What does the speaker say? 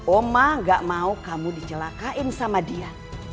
oma gak mau kamu dijelakain sama dia